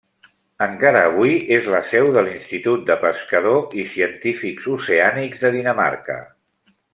Encara avui és la seu de l'Institut de Pescador i Científics Oceànics de Dinamarca.